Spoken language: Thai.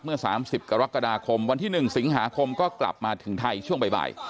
เมื่อ๓๐กรกฎาคมวันที่๑สิงหาคมก็กลับมาถึงไทยช่วงบ่าย